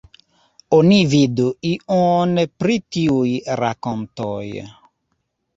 Oni vidu ion pri tiuj rakontoj.